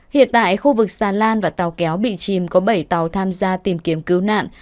hiện tại khu vực xà lan và tàu kéo bị chìm có bảy tàu tham gia tìm kiếm cứu nạn